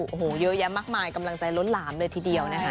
โอ้โหเยอะแยะมากมายกำลังใจล้นหลามเลยทีเดียวนะคะ